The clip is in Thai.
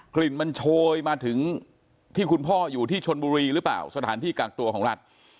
ลิ่นมันโชยมาถึงที่คุณพ่ออยู่ที่ชนบุรีหรือเปล่าสถานที่กักตัวของรัฐ